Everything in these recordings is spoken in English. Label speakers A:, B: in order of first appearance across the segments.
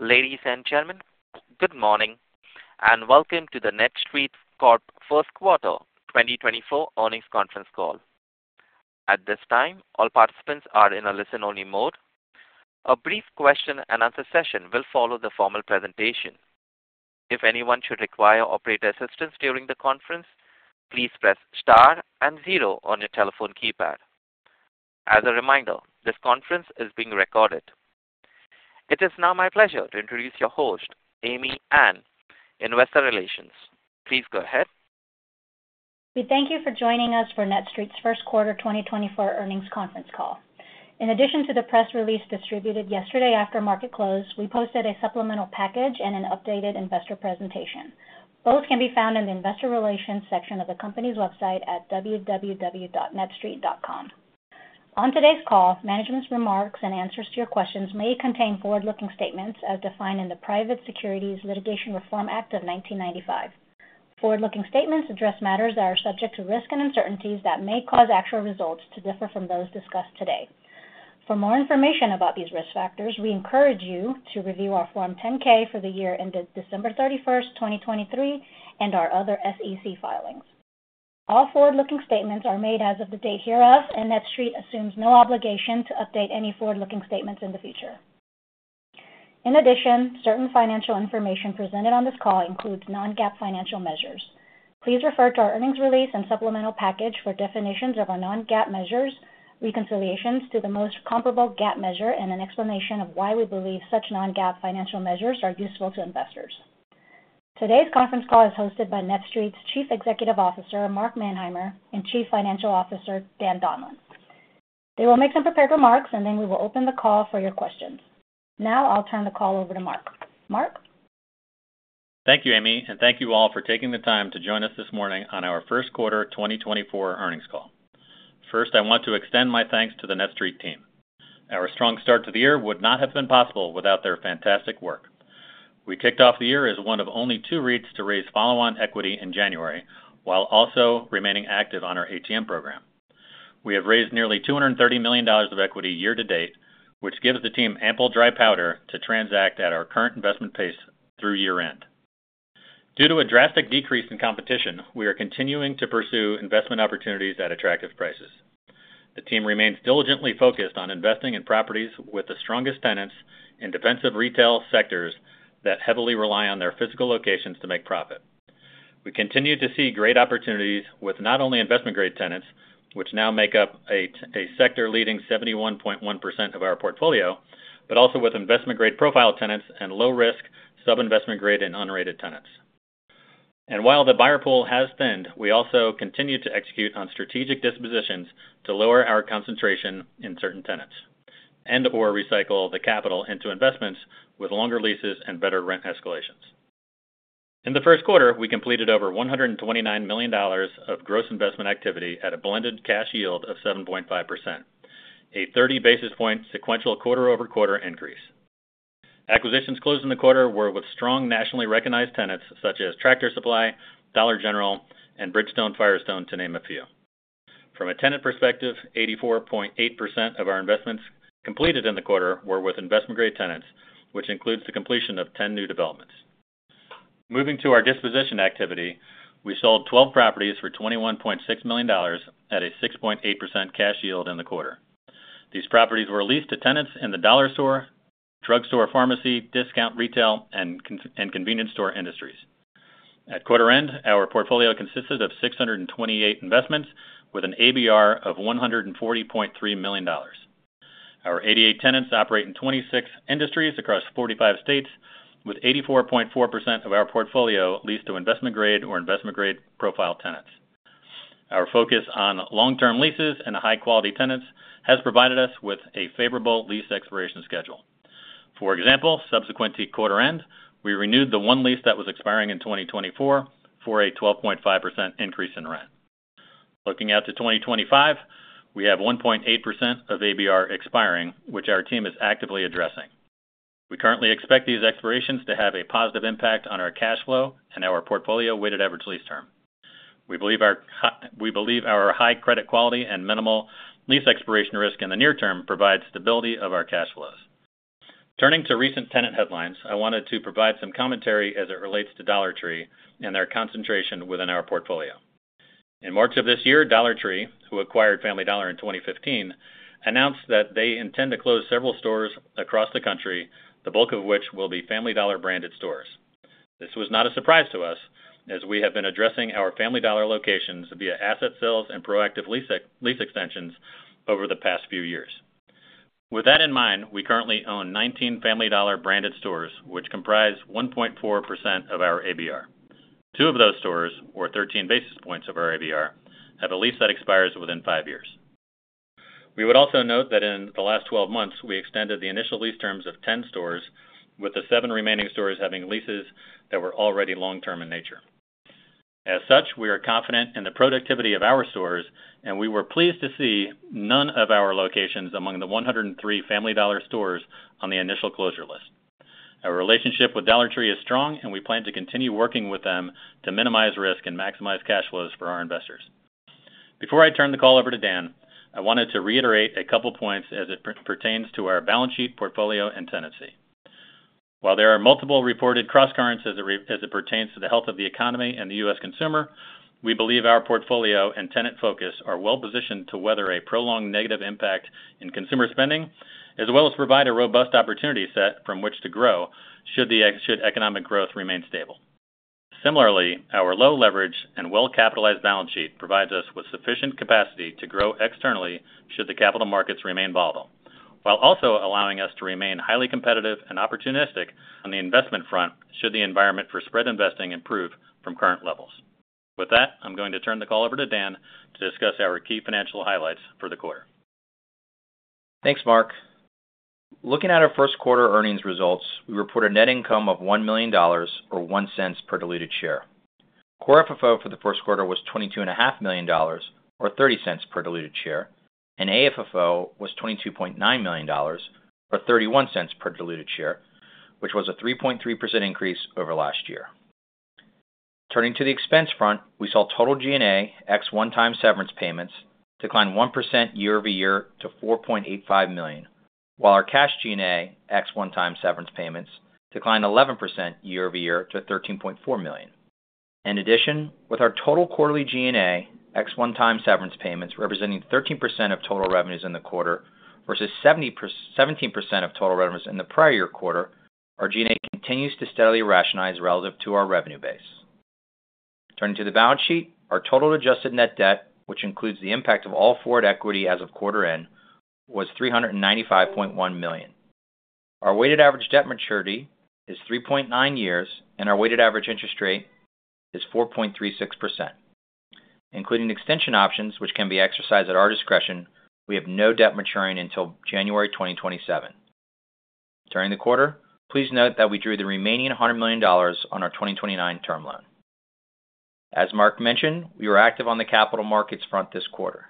A: Ladies and gentlemen, good morning, and welcome to the NETSTREIT Corp first quarter 2024 earnings conference call. At this time, all participants are in a listen-only mode. A brief question and answer session will follow the formal presentation. If anyone should require operator assistance during the conference, please press star and zero on your telephone keypad. As a reminder, this conference is being recorded. It is now my pleasure to introduce your host, Amy An, Investor Relations. Please go ahead.
B: We thank you for joining us for NETSTREIT's first quarter 2024 earnings conference call. In addition to the press release distributed yesterday after market close, we posted a supplemental package and an updated investor presentation. Both can be found in the investor relations section of the company's website at www.netstreit.com. On today's call, management's remarks and answers to your questions may contain forward-looking statements as defined in the Private Securities Litigation Reform Act of 1995. Forward-looking statements address matters that are subject to risks and uncertainties that may cause actual results to differ from those discussed today. For more information about these risk factors, we encourage you to review our Form 10-K for the year ended December 31st, 2023, and our other SEC filings. All forward-looking statements are made as of the date hereof, and NETSTREIT assumes no obligation to update any forward-looking statements in the future. In addition, certain financial information presented on this call includes non-GAAP financial measures. Please refer to our earnings release and supplemental package for definitions of our non-GAAP measures, reconciliations to the most comparable GAAP measure, and an explanation of why we believe such non-GAAP financial measures are useful to investors. Today's conference call is hosted by NETSTREIT's Chief Executive Officer, Mark Manheimer, and Chief Financial Officer, Dan Donlan. They will make some prepared remarks, and then we will open the call for your questions. Now I'll turn the call over to Mark. Mark?
C: Thank you, Amy, and thank you all for taking the time to join us this morning on our first quarter 2024 earnings call. First, I want to extend my thanks to the NETSTREIT team. Our strong start to the year would not have been possible without their fantastic work. We kicked off the year as one of only two REITs to raise follow-on equity in January, while also remaining active on our ATM program. We have raised nearly $230 million of equity year-to-date, which gives the team ample dry powder to transact at our current investment pace through year-end. Due to a drastic decrease in competition, we are continuing to pursue investment opportunities at attractive prices. The team remains diligently focused on investing in properties with the strongest tenants in defensive retail sectors that heavily rely on their physical locations to make profit. We continue to see great opportunities with not only investment-grade tenants, which now make up a sector-leading 71.1% of our portfolio, but also with investment-grade profile tenants and low-risk sub-investment grade and unrated tenants. While the buyer pool has thinned, we also continue to execute on strategic dispositions to lower our concentration in certain tenants and/or recycle the capital into investments with longer leases and better rent escalations. In the first quarter, we completed over $129 million of gross investment activity at a blended cash yield of 7.5%, a 30-basis point sequential quarter-over-quarter increase. Acquisitions closed in the quarter were with strong, nationally recognized tenants such as Tractor Supply, Dollar General, and Bridgestone Firestone, to name a few. From a tenant perspective, 84.8% of our investments completed in the quarter were with investment-grade tenants, which includes the completion of 10 new developments. Moving to our disposition activity, we sold 12 properties for $21.6 million at a 6.8% cash yield in the quarter. These properties were leased to tenants in the dollar store, drugstore, pharmacy, discount, retail, and con- and convenience store industries. At quarter end, our portfolio consisted of 628 investments with an ABR of $140.3 million. Our 88 tenants operate in 26 industries across 45 states, with 84.4% of our portfolio leased to investment-grade or investment-grade profile tenants. Our focus on long-term leases and high-quality tenants has provided us with a favorable lease expiration schedule. For example, subsequent to quarter end, we renewed the one lease that was expiring in 2024 for a 12.5% increase in rent. Looking out to 2025, we have 1.8% of ABR expiring, which our team is actively addressing. We currently expect these expirations to have a positive impact on our cash flow and our portfolio weighted average lease term. We believe our high credit quality and minimal lease expiration risk in the near term provides stability of our cash flows. Turning to recent tenant headlines, I wanted to provide some commentary as it relates to Dollar Tree and their concentration within our portfolio. In March of this year, Dollar Tree, who acquired Family Dollar in 2015, announced that they intend to close several stores across the country, the bulk of which will be Family Dollar-branded stores. This was not a surprise to us, as we have been addressing our Family Dollar locations via asset sales and proactive lease extensions over the past few years. With that in mind, we currently own 19 Family Dollar-branded stores, which comprise 1.4% of our ABR. Two of those stores, or 13 basis points of our ABR, have a lease that expires within five years. We would also note that in the last 12 months, we extended the initial lease terms of 10 stores, with the seven remaining stores having leases that were already long-term in nature. As such, we are confident in the productivity of our stores, and we were pleased to see none of our locations among the 103 Family Dollar stores on the initial closure list. Our relationship with Dollar Tree is strong, and we plan to continue working with them to minimize risk and maximize cash flows for our investors.... Before I turn the call over to Dan, I wanted to reiterate a couple points as it pertains to our balance sheet, portfolio, and tenancy. While there are multiple reported crosscurrents as it pertains to the health of the economy and the U.S. consumer, we believe our portfolio and tenant focus are well positioned to weather a prolonged negative impact in consumer spending, as well as provide a robust opportunity set from which to grow, should economic growth remain stable. Similarly, our low leverage and well-capitalized balance sheet provides us with sufficient capacity to grow externally, should the capital markets remain volatile, while also allowing us to remain highly competitive and opportunistic on the investment front, should the environment for spread investing improve from current levels. With that, I'm going to turn the call over to Dan to discuss our key financial highlights for the quarter.
D: Thanks, Mark. Looking at our first quarter earnings results, we reported net income of $1 million or $0.01 per diluted share. Core FFO for the first quarter was $22.5 million, or $0.30 per diluted share, and AFFO was $22.9 million, or $0.31 per diluted share, which was a 3.3% increase over last year. Turning to the expense front, we saw total G&A, ex one-time severance payments, decline 1% year-over-year to $4.85 million, while our cash G&A, ex one-time severance payments, declined 11% year-over-year to $13.4 million. In addition, with our total quarterly G&A, ex one-time severance payments, representing 13% of total revenues in the quarter versus 17% of total revenues in the prior year quarter, our G&A continues to steadily rationalize relative to our revenue base. Turning to the balance sheet, our total adjusted net debt, which includes the impact of all forward equity as of quarter end, was $395.1 million. Our weighted average debt maturity is 3.9 years, and our weighted average interest rate is 4.36%. Including extension options, which can be exercised at our discretion, we have no debt maturing until January 2027. During the quarter, please note that we drew the remaining $100 million on our 2029 term loan. As Mark mentioned, we were active on the capital markets front this quarter.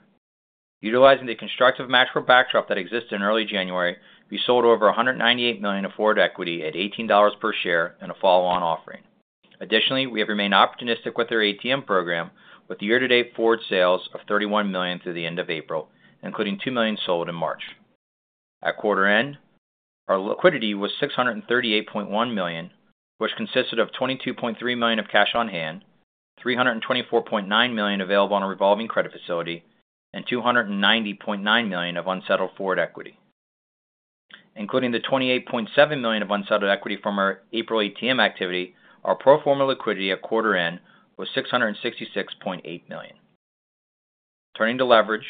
D: Utilizing the constructive macro backdrop that existed in early January, we sold over $198 million of forward equity at $18 per share in a follow-on offering. Additionally, we have remained opportunistic with our ATM program, with the year-to-date forward sales of $31 million through the end of April, including $2 million sold in March. At quarter end, our liquidity was $638.1 million, which consisted of $22.3 million of cash on hand, $324.9 million available on a revolving credit facility, and $290.9 million of unsettled forward equity. Including the $28.7 million of unsettled equity from our April ATM activity, our pro forma liquidity at quarter end was $666.8 million. Turning to leverage,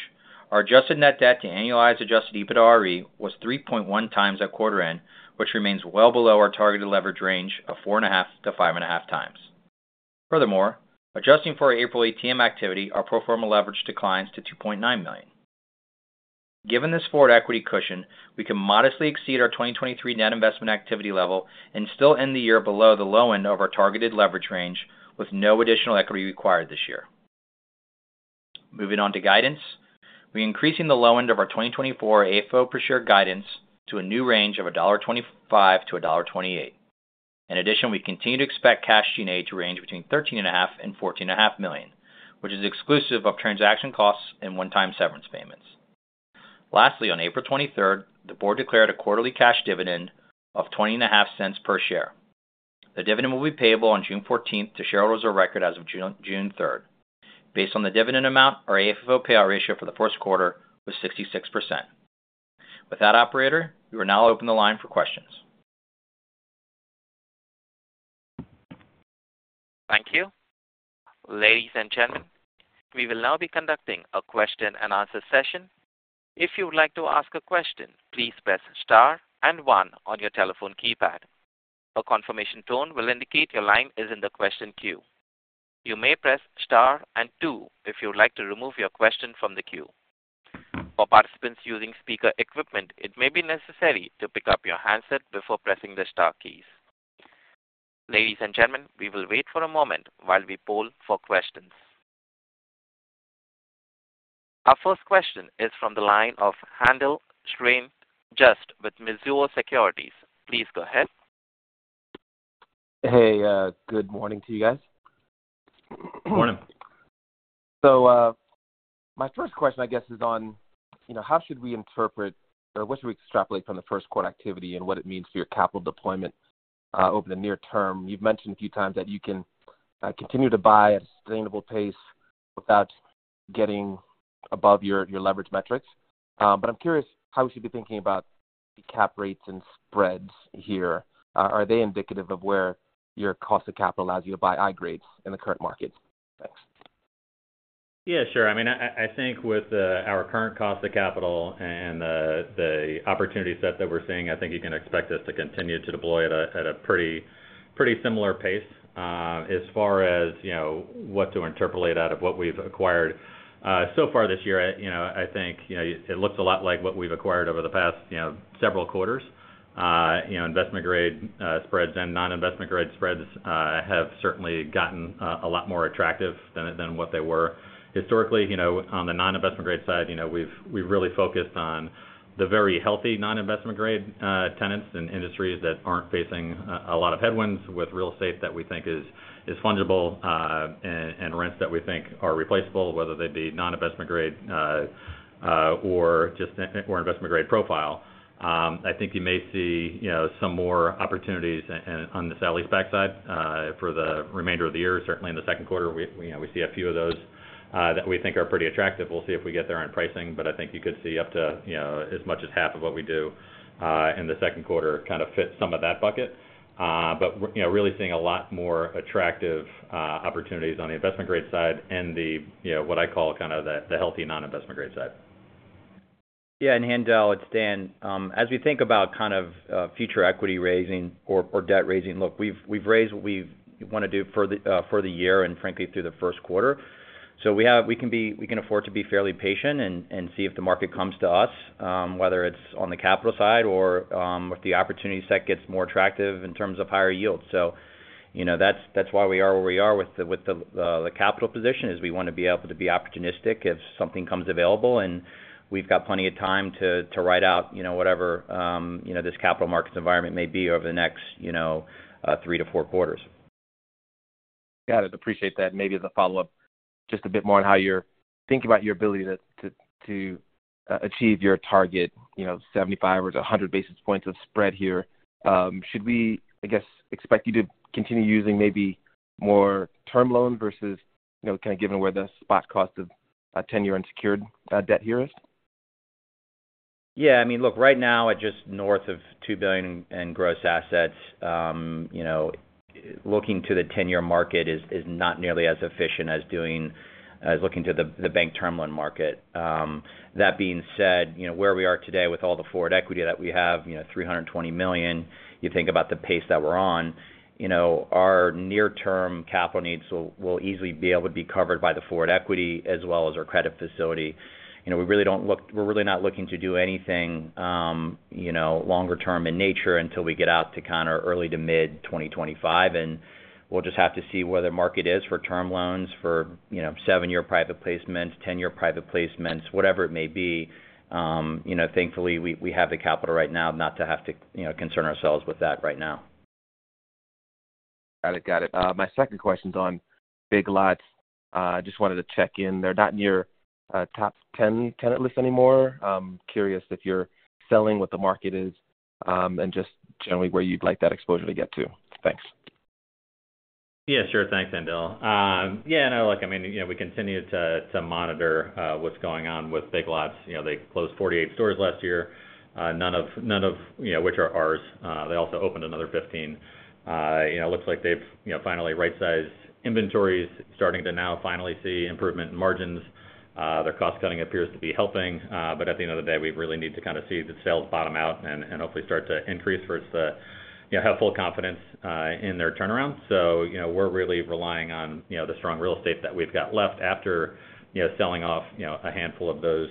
D: our adjusted net debt to annualized adjusted EBITDAre was 3.1x at quarter end, which remains well below our targeted leverage range of 4.5x-5.5x. Furthermore, adjusting for our April ATM activity, our pro forma leverage declines to 2.9x. Given this forward equity cushion, we can modestly exceed our 2023 net investment activity level and still end the year below the low end of our targeted leverage range, with no additional equity required this year. Moving on to guidance. We're increasing the low end of our 2024 AFFO per share guidance to a new range of $1.25-$1.28. In addition, we continue to expect cash G&A to range between $13.5 million and $14.5 million, which is exclusive of transaction costs and one-time severance payments. Lastly, on April 23rd, the Board declared a quarterly cash dividend of $0.205 per share. The dividend will be payable on June 14th to shareholders of record as of June 3rd. Based on the dividend amount, our AFFO payout ratio for the first quarter was 66%. With that, operator, we will now open the line for questions.
A: Thank you. Ladies and gentlemen, we will now be conducting a question and answer session. If you would like to ask a question, please press star and one on your telephone keypad. A confirmation tone will indicate your line is in the question queue. You may press star and two if you would like to remove your question from the queue. For participants using speaker equipment, it may be necessary to pick up your handset before pressing the star keys. Ladies and gentlemen, we will wait for a moment while we poll for questions. Our first question is from the line of Haendel St. Juste with Mizuho Securities. Please go ahead.
E: Hey, good morning to you guys.
C: Morning.
E: So, my first question, I guess, is on, you know, how should we interpret or what should we extrapolate from the first quarter activity and what it means for your capital deployment, over the near term? You've mentioned a few times that you can continue to buy at a sustainable pace without getting above your leverage metrics. But I'm curious how we should be thinking about the cap rates and spreads here. Are they indicative of where your cost of capital allows you to buy high grades in the current market? Thanks.
C: Yeah, sure. I mean, I think with our current cost of capital and the opportunity set that we're seeing, I think you can expect us to continue to deploy at a pretty similar pace. As far as, you know, what to interpolate out of what we've acquired so far this year, you know, I think, you know, it looks a lot like what we've acquired over the past, you know, several quarters. You know, investment grade spreads and non-investment grade spreads have certainly gotten a lot more attractive than what they were. Historically, you know, on the non-investment grade side, you know, we've really focused on the very healthy non-investment grade tenants and industries that aren't facing a lot of headwinds with real estate that we think is-... Is fungible, and rents that we think are replaceable, whether they be non-investment grade, or just, or investment grade profile. I think you may see, you know, some more opportunities on the sale-leaseback side, for the remainder of the year. Certainly, in the second quarter, we, you know, we see a few of those, that we think are pretty attractive. We'll see if we get there on pricing, but I think you could see up to, you know, as much as half of what we do, in the second quarter, kind of fit some of that bucket. But, you know, really seeing a lot more attractive opportunities on the investment grade side and the, you know, what I call kind of the healthy non-investment grade side.
D: Yeah, and Haendel, it's Dan. As we think about kind of future equity raising or debt raising, look, we've raised what we want to do for the year and frankly through the first quarter. So we can afford to be fairly patient and see if the market comes to us, whether it's on the capital side or if the opportunity set gets more attractive in terms of higher yields. So, you know, that's why we are where we are with the capital position, is we want to be able to be opportunistic if something comes available, and we've got plenty of time to ride out, you know, whatever, you know, this capital market environment may be over the next, you know, three to four quarters.
E: Got it. Appreciate that. Maybe as a follow-up, just a bit more on how you're thinking about your ability to achieve your target, you know, 75 or 100 basis points of spread here. Should we, I guess, expect you to continue using maybe more term loans versus, you know, kind of given where the spot cost of a 10-year unsecured debt here is?
D: Yeah, I mean, look, right now at just north of $2 billion in gross assets, you know, looking to the ten-year market is not nearly as efficient as doing as looking to the bank term loan market. That being said, you know, where we are today with all the forward equity that we have, you know, $320 million, you think about the pace that we're on, you know, our near-term capital needs will easily be able to be covered by the forward equity as well as our credit facility. You know, we really don't look—we're really not looking to do anything, you know, longer term in nature until we get out to kind of early to mid-2025, and we'll just have to see where the market is for term loans for, you know, seven-year private placements, 10-year private placements, whatever it may be. You know, thankfully, we have the capital right now not to have to, you know, concern ourselves with that right now.
E: Got it. Got it. My second question is on Big Lots. Just wanted to check in. They're not in your top ten tenant list anymore. I'm curious if you're selling what the market is, and just generally where you'd like that exposure to get to. Thanks.
C: Yeah, sure. Thanks, Haendel. Yeah, no, look, I mean, you know, we continue to monitor what's going on with Big Lots. You know, they closed 48 stores last year, none of which are ours. They also opened another 15. You know, it looks like they've finally right-sized inventories, starting to now finally see improvement in margins. Their cost-cutting appears to be helping, but at the end of the day, we really need to kind of see the sales bottom out and hopefully start to increase for us to have full confidence in their turnaround. So, you know, we're really relying on the strong real estate that we've got left after selling off a handful of those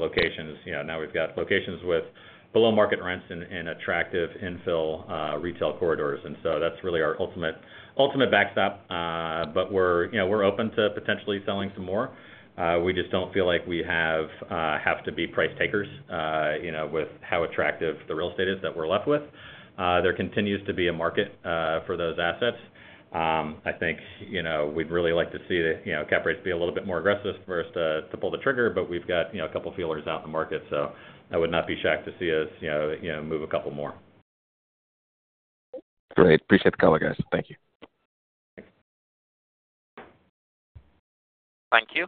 C: locations. You know, now we've got locations with below-market rents and attractive infill retail corridors. And so that's really our ultimate backstop. But we're, you know, we're open to potentially selling some more. We just don't feel like we have to be price takers, you know, with how attractive the real estate is that we're left with. There continues to be a market for those assets. I think, you know, we'd really like to see the, you know, cap rates be a little bit more aggressive for us to pull the trigger, but we've got, you know, a couple feelers out in the market, so I would not be shocked to see us, you know, move a couple more.
E: Great. Appreciate the color, guys. Thank you.
A: Thank you.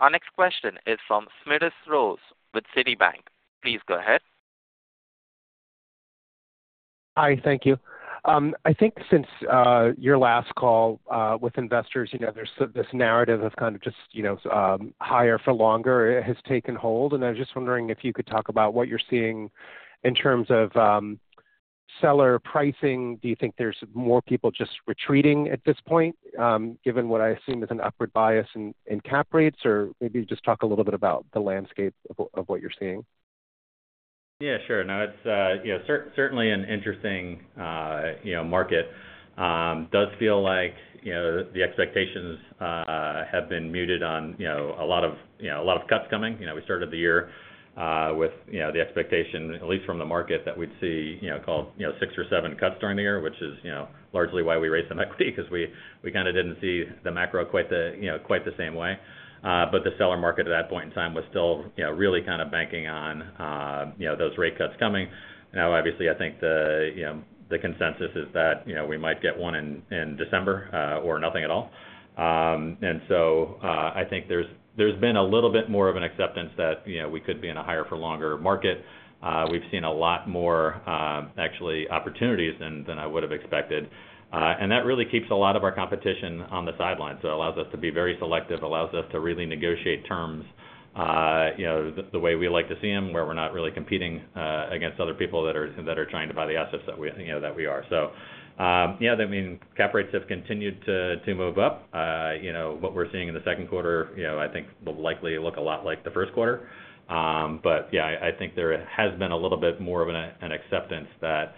A: Our next question is from Smedes Rose with Citibank. Please go ahead.
F: Hi, thank you. I think since your last call with investors, you know, there's this narrative of kind of just, you know, higher for longer has taken hold, and I was just wondering if you could talk about what you're seeing in terms of seller pricing. Do you think there's more people just retreating at this point, given what I assume is an upward bias in cap rates? Or maybe just talk a little bit about the landscape of what you're seeing.
C: Yeah, sure. No, it's, you know, certainly an interesting, you know, market. Does feel like, you know, the expectations have been muted on, you know, a lot of, you know, a lot of cuts coming. You know, we started the year with, you know, the expectation, at least from the market, that we'd see, you know, call, you know, six or seven cuts during the year, which is, you know, largely why we raised some equity, because we kind of didn't see the macro quite the, you know, quite the same way. But the seller market at that point in time was still, you know, really kind of banking on, you know, those rate cuts coming. Now, obviously, I think the, you know, the consensus is that, you know, we might get one in December or nothing at all. And so, I think there's been a little bit more of an acceptance that, you know, we could be in a higher for longer market. We've seen a lot more, actually opportunities than I would have expected, and that really keeps a lot of our competition on the sidelines. So it allows us to be very selective, allows us to really negotiate terms, you know, the way we like to see them, where we're not really competing against other people that are trying to buy the assets that we, you know, that we are. So, yeah, I mean, cap rates have continued to move up. You know, what we're seeing in the second quarter, you know, I think will likely look a lot like the first quarter. But yeah, I think there has been a little bit more of an acceptance that,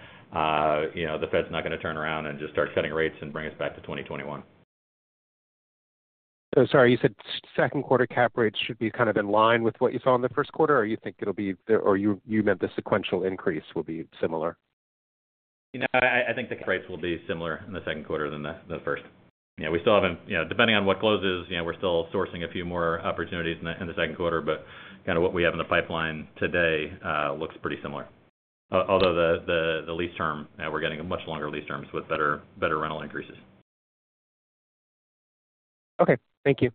C: you know, the Fed's not gonna turn around and just start cutting rates and bring us back to 2021....
F: So sorry, you said second quarter cap rates should be kind of in line with what you saw in the first quarter, or you think it'll be or you, you meant the sequential increase will be similar?
C: You know, I think the rates will be similar in the second quarter than the first. Yeah, we still haven't, you know, depending on what closes, you know, we're still sourcing a few more opportunities in the second quarter, but kind of what we have in the pipeline today looks pretty similar. Although the lease term, we're getting much longer lease terms with better rental increases.
F: Okay, thank you.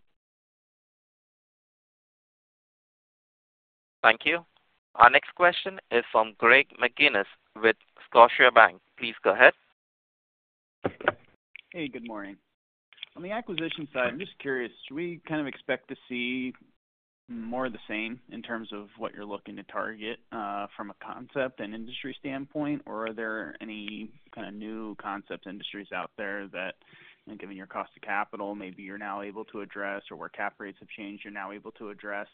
A: Thank you. Our next question is from Greg McGinniss with Scotiabank. Please go ahead.
G: Hey, good morning. On the acquisition side, I'm just curious, should we kind of expect to see more of the same in terms of what you're looking to target, from a concept and industry standpoint? Or are there any kind of new concept industries out there that, you know, given your cost of capital, maybe you're now able to address, or where cap rates have changed, you're now able to address?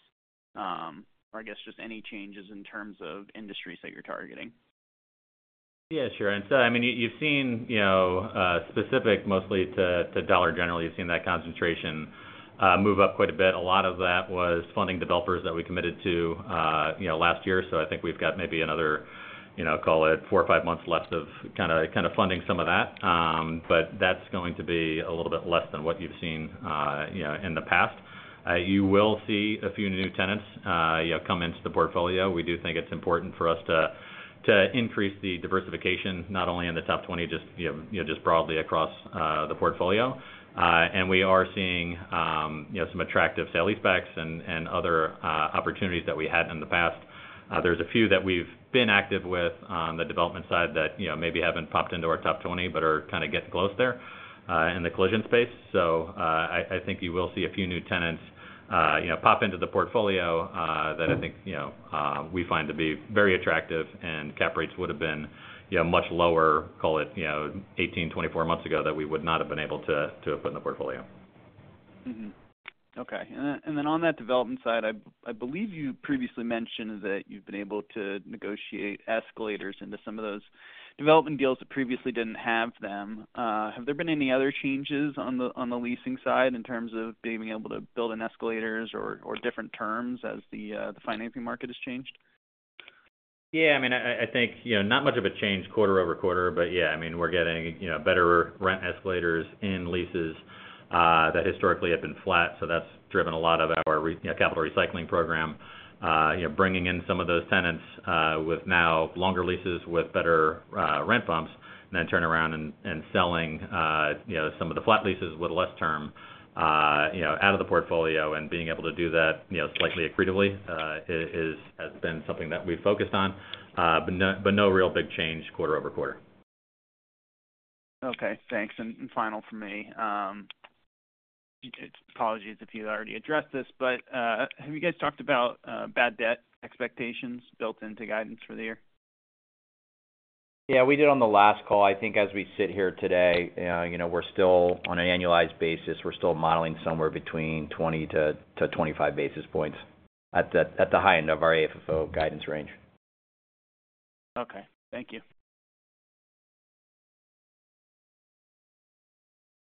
G: Or I guess, just any changes in terms of industries that you're targeting?
C: Yeah, sure. And so I mean, you've seen, you know, specific mostly to, to Dollar General, you've seen that concentration, move up quite a bit. A lot of that was funding developers that we committed to, you know, last year. So I think we've got maybe another, you know, call it four or five months left of kind of, kind of funding some of that. But that's going to be a little bit less than what you've seen, you know, in the past. You will see a few new tenants, come into the portfolio. We do think it's important for us to, to increase the diversification, not only in the top 20, just, you know, just broadly across, the portfolio. And we are seeing, you know, some attractive sale-leasebacks and, and other opportunities that we hadn't in the past. There's a few that we've been active with on the development side that, you know, maybe haven't popped into our top 20, but are kind of getting close there, in the collision space. So, I, I think you will see a few new tenants, you know, pop into the portfolio, that I think, you know, we find to be very attractive, and cap rates would have been, you know, much lower, call it, you know, 18, 24 months ago, that we would not have been able to, to have put in the portfolio.
G: Mm-hmm. Okay. And then, and then on that development side, I, I believe you previously mentioned that you've been able to negotiate escalators into some of those development deals that previously didn't have them. Have there been any other changes on the, on the leasing side in terms of being able to build in escalators or, or different terms as the, the financing market has changed?
C: Yeah, I mean, I think, you know, not much of a change quarter-over-quarter, but yeah, I mean, we're getting, you know, better rent escalators in leases that historically have been flat, so that's driven a lot of our capital recycling program. Bringing in some of those tenants with now longer leases, with better rent bumps, and then turn around and selling, you know, some of the flat leases with less term, you know, out of the portfolio, and being able to do that, you know, slightly accretively, has been something that we've focused on. But no real big change quarter-over-quarter.
G: Okay, thanks. And final for me. Apologies if you already addressed this, but have you guys talked about bad debt expectations built into guidance for the year?
C: Yeah, we did on the last call. I think as we sit here today, you know, we're still on an annualized basis, we're still modeling somewhere between 20-25 basis points at the high end of our AFFO guidance range.
G: Okay, thank you.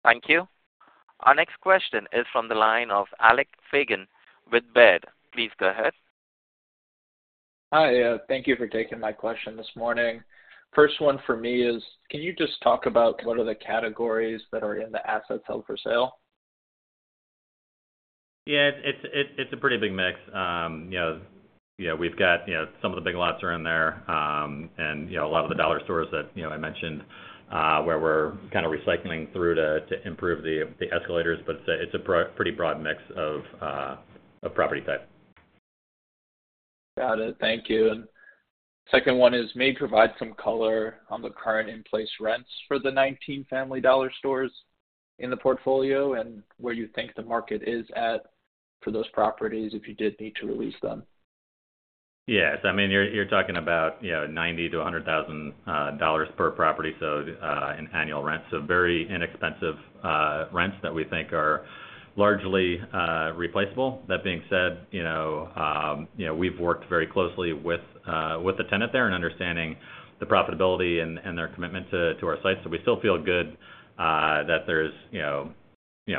A: Thank you. Our next question is from the line of Alex Fagan with Baird. Please go ahead.
H: Hi, thank you for taking my question this morning. First one for me is, can you just talk about what are the categories that are in the assets held for sale?
C: Yeah, it's a pretty big mix. You know, we've got, you know, some of the Big Lots are in there. And, you know, a lot of the dollar stores that, you know, I mentioned, where we're kind of recycling through to improve the escalators, but it's a broad, pretty broad mix of property type.
H: Got it. Thank you. And second one is, may you provide some color on the current in-place rents for the 19 Family Dollar stores in the portfolio, and where you think the market is at for those properties, if you did need to lease them?
C: Yes. I mean, you're, you're talking about, you know, $90,000-$100,000 per property, so, in annual rent. So very inexpensive, rents that we think are largely, replaceable. That being said, you know, you know, we've worked very closely with, with the tenant there and understanding the profitability and, and their commitment to, to our sites. So we still feel good, that there's, you know, you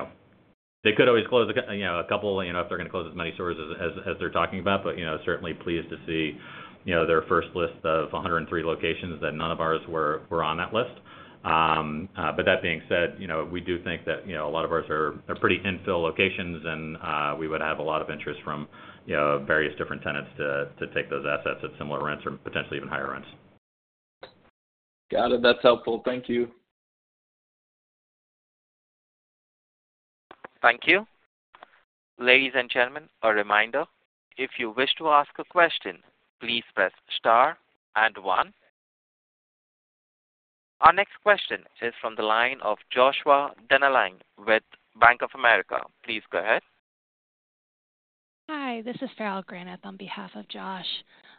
C: know... They could always close, you know, a couple, you know, if they're gonna close as many stores as, as, as they're talking about. But, you know, certainly pleased to see, you know, their first list of 103 locations, that none of ours were, were on that list. That being said, you know, we do think that, you know, a lot of ours are pretty infill locations and we would have a lot of interest from, you know, various different tenants to take those assets at similar rents or potentially even higher rents.
H: Got it. That's helpful. Thank you.
A: Thank you. Ladies and gentlemen, a reminder, if you wish to ask a question, please press star and one. Our next question is from the line of Joshua Dennerlein with Bank of America. Please go ahead.
I: Hi, this is Farrell Granath on behalf of Josh.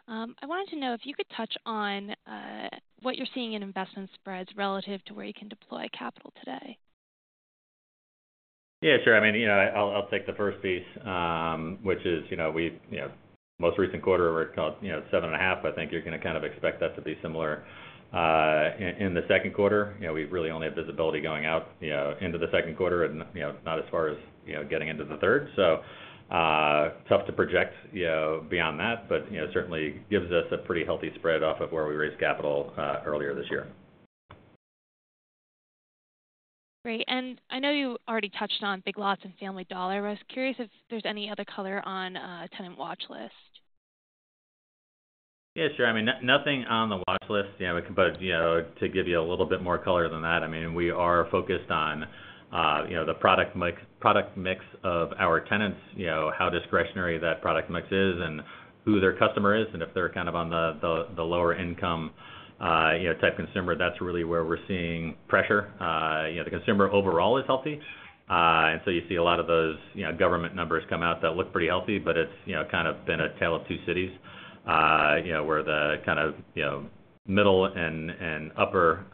I: I wanted to know if you could touch on, what you're seeing in investment spreads relative to where you can deploy capital today?
C: Yeah, sure. I mean, you know, I'll take the first piece, which is, you know, we've you know most recent quarter, we're calling you know 7.5%. I think you're gonna kind of expect that to be similar in the second quarter. You know, we really only have visibility going out you know into the second quarter and you know not as far as you know getting into the third. So, tough to project you know beyond that, but you know certainly gives us a pretty healthy spread off of where we raised capital earlier this year.
I: Great. And I know you already touched on Big Lots and Family Dollar. I was curious if there's any other color on tenant watch list?
C: Yeah, sure. I mean, nothing on the watch list, you know, but, you know, to give you a little bit more color than that, I mean, we are focused on, you know, the product mix, product mix of our tenants, you know, how discretionary that product mix is and who their customer is, and if they're kind of on the, the lower income, you know, type consumer, that's really where we're seeing pressure. You know, the consumer overall is healthy. And so you see a lot of those, you know, government numbers come out that look pretty healthy, but it's, you know, kind of been a tale of two cities, you know, where the kind of, you know, middle and upper,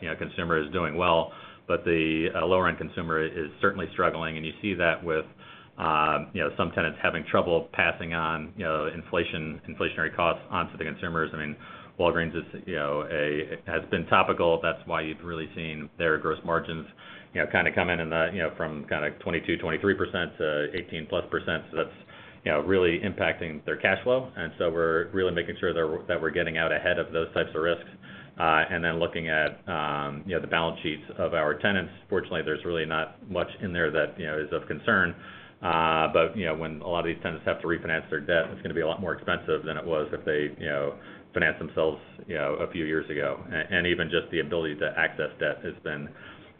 C: you know, consumer is doing well, but the lower-end consumer is certainly struggling. And you see that with, you know, some tenants having trouble passing on, you know, inflation, inflationary costs onto the consumers. I mean, Walgreens is, you know, has been topical. That's why you've really seen their gross margins, you know, kind of come in, you know, from kind of 22%-23% to 18%+. So that's, you know, really impacting their cash flow. And so we're really making sure that we're getting out ahead of those types of risks, and then looking at, you know, the balance sheets of our tenants. Fortunately, there's really not much in there that, you know, is of concern. But, you know, when a lot of these tenants have to refinance their debt, it's gonna be a lot more expensive than it was if they, you know, financed themselves, you know, a few years ago. And even just the ability to access debt has been,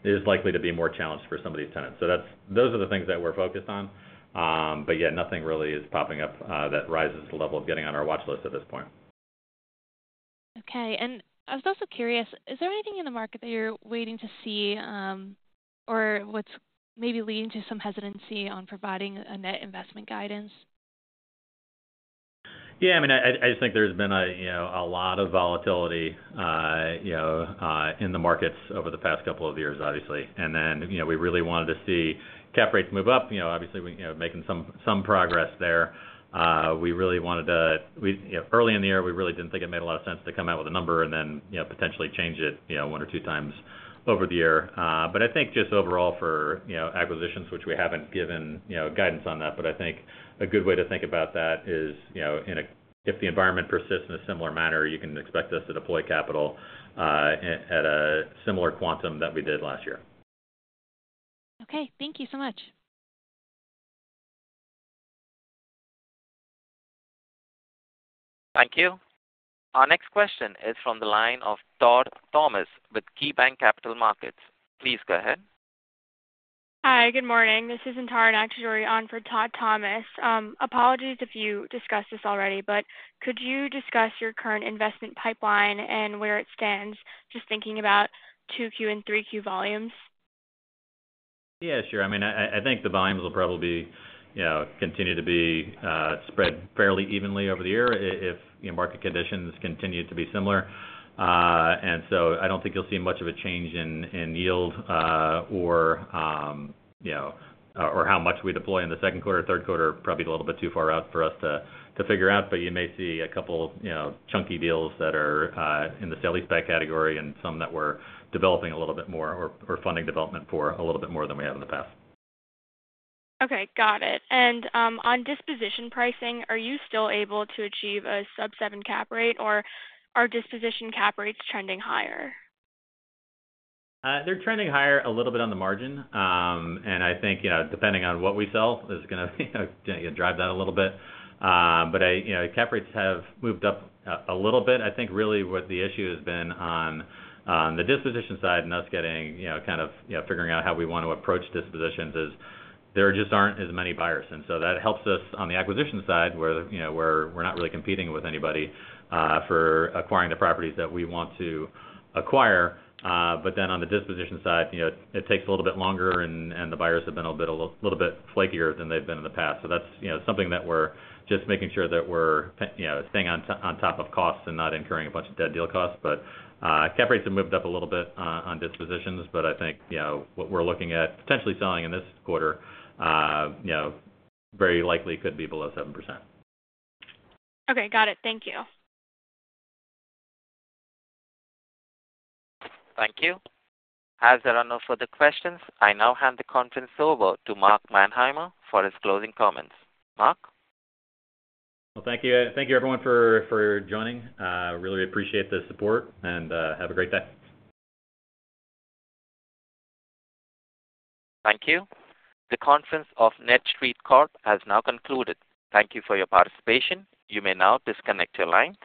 C: is likely to be more challenged for some of these tenants. So that's those are the things that we're focused on. But yeah, nothing really is popping up that rises to the level of getting on our watch list at this point.
I: Okay. I was also curious, is there anything in the market that you're waiting to see, or what's maybe leading to some hesitancy on providing a net investment guidance?
C: Yeah, I mean, I just think there's been a, you know, a lot of volatility, you know, in the markets over the past couple of years, obviously. And then, you know, we really wanted to see cap rates move up. You know, obviously, we, you know, making some progress there. We really wanted to... We, you know, early in the year, we really didn't think it made a lot of sense to come out with a number and then, you know, potentially change it, you know, one or two times over the year. But I think just overall for, you know, acquisitions, which we haven't given, you know, guidance on that, but I think a good way to think about that is, you know, if the environment persists in a similar manner, you can expect us to deploy capital at a similar quantum that we did last year.
I: Okay, thank you so much.
A: Thank you. Our next question is from the line of Todd Thomas with KeyBanc Capital Markets. Please go ahead.
J: Hi, good morning. This is Antara Nag-Chaudhuri on for Todd Thomas. Apologies if you discussed this already, but could you discuss your current investment pipeline and where it stands? Just thinking about 2Q and 3Q volumes.
C: Yeah, sure. I mean, I think the volumes will probably, you know, continue to be spread fairly evenly over the year if, you know, market conditions continue to be similar. And so I don't think you'll see much of a change in yield or you know, or how much we deploy in the second quarter or third quarter, probably a little bit too far out for us to figure out, but you may see a couple you know, chunky deals that are in the sale-leaseback category and some that we're developing a little bit more or funding development for a little bit more than we have in the past.
J: Okay, got it. And, on disposition pricing, are you still able to achieve a sub-7 cap rate, or are disposition cap rates trending higher?
C: They're trending higher a little bit on the margin. And I think, you know, depending on what we sell is gonna, you know, drive that a little bit. But, you know, cap rates have moved up a little bit. I think really what the issue has been on the disposition side and us getting, you know, kind of, you know, figuring out how we want to approach dispositions is there just aren't as many buyers. And so that helps us on the acquisition side, where, you know, we're not really competing with anybody for acquiring the properties that we want to acquire. But then on the disposition side, you know, it takes a little bit longer and the buyers have been a little bit flakier than they've been in the past. So that's, you know, something that we're just making sure that we're, you know, staying on top, on top of costs and not incurring a bunch of dead deal costs. But cap rates have moved up a little bit on dispositions, but I think, you know, what we're looking at potentially selling in this quarter, you know, very likely could be below 7%.
J: Okay, got it. Thank you.
A: Thank you. As there are no further questions, I now hand the conference over to Mark Manheimer for his closing comments. Mark?
C: Well, thank you. Thank you, everyone, for joining. Really appreciate the support, and have a great day.
A: Thank you. The conference of NETSTREIT Corp has now concluded. Thank you for your participation. You may now disconnect your lines.